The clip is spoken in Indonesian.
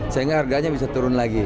sehingga harganya bisa turun lagi